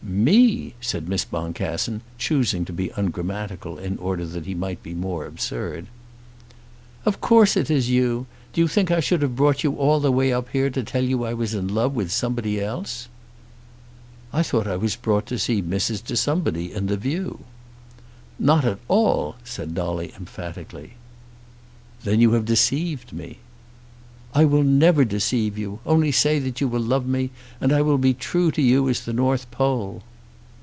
"Me!" said Miss Boncassen, choosing to be ungrammatical in order that he might be more absurd. "Of course it is you. Do you think that I should have brought you all the way up here to tell you that I was in love with anybody else?" "I thought I was brought to see Mrs. de Somebody, and the view." "Not at all," said Dolly emphatically. "Then you have deceived me." "I will never deceive you. Only say that you will love me, and I will be as true to you as the North Pole."